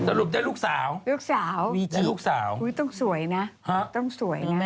สรุปจะได้ลูกสาวลูกสาวต้องสวยนะต้องสวยนะ